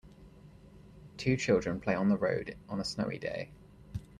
Two children play on the road on a snowy day.